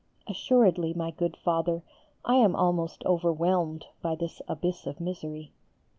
Assuredly, my good Father, I am almost overwhelmed by this abyss of misery.